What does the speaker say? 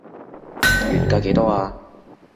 原價幾多啊